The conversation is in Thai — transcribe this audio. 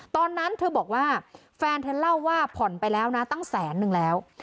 ตอนนั้นเธอบอกว่าแฟนเธอเล่าว่าผ่อนไปแล้วนะตั้งแสนนึงแล้ว